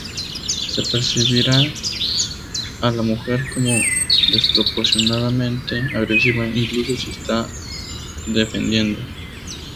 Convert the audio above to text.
Se percibirá a la mujer como desproporcionadamente agresiva incluso si se está defendiendo.